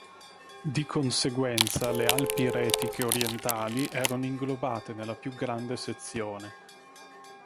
Di conseguenza le Alpi Retiche orientali erano inglobate nella più grande sezione.